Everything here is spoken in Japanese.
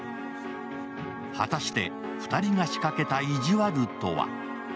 果たして２人が仕掛けた意地悪とは。